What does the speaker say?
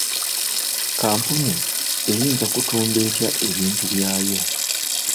Kampuni eyinza kutunda etya ebintu byayo?